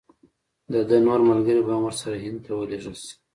د ده نور ملګري به هم ورسره هند ته ولېږل شي.